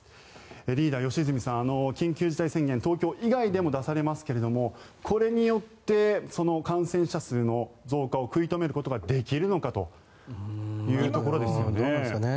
リーダー、良純さん緊急事態宣言が東京以外でも出されますけどこれによって感染者数の増加を食い止めることができるのかというところですよね。